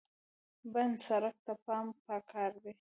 بند سړک ته پام پکار دی.